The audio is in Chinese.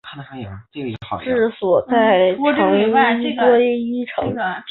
治所在故归依城。